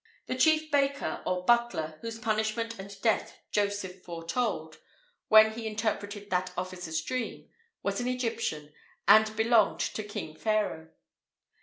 The chief baker or butler, whose punishment and death Joseph foretold, when he interpreted that officer's dream, was an Egyptian, and belonged to King Pharaoh.